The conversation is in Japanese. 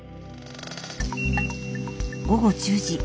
午後１０時。